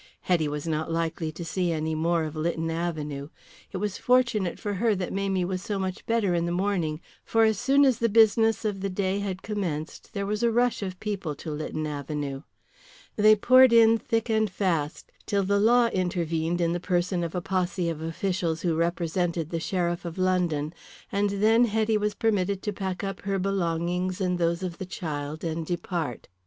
Hetty was not likely to see any more of Lytton Avenue. It was fortunate for her that Mamie was so much better in the morning, for as soon as the business of the day had commenced there was a rush of people to Lytton Avenue. They poured in thick and fast till the law intervened in the person of a posse of officials who represented the Sheriff of London, and then Hetty was permitted to pack up her belongings and those of the child and depart.